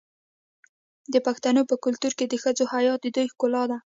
د پښتنو په کلتور کې د ښځو حیا د دوی ښکلا ده.